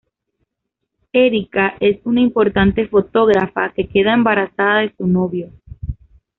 Érika es una importante fotógrafa que queda embarazada de su novio.